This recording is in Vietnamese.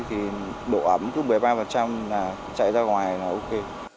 thì độ ẩm của một mươi ba chạy ra ngoài là ok